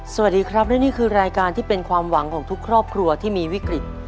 สวัสดีครับและนี่คือรายการที่เป็นความหวังของทุกครอบครัวที่มีวิกฤต